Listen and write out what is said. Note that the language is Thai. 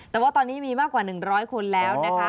แต่ว่าตอนนี้มีมากกว่า๑๐๐คนแล้วนะคะ